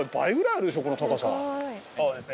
そうですね。